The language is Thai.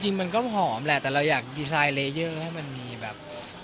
จริงมันก็ผอมแหละแต่เราอยากดีไซน์เลเยอร์ให้มันมีแบบ